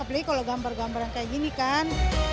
apalagi kalau gambar gambar yang kayak gini kan